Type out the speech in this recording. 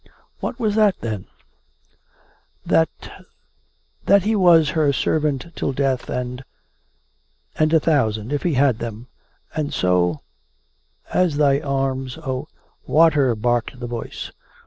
" What was that, then .''"" That ... that he was her servant till death; and ... and a thousand if he had them. And so, ' As Thy arms, O '"" Water," barked the voice.